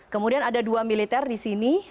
kemudian ada dua militer di sini